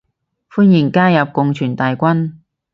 歡迎加入共存大軍